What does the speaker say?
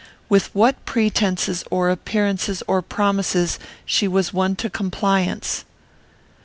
With what pretences, or appearances, or promises, she was won to compliance?"